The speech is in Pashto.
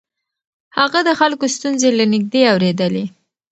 هغه د خلکو ستونزې له نږدې اورېدلې.